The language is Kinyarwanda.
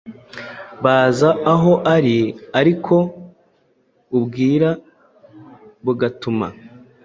Baza aho ari ariko ubwira bugatuma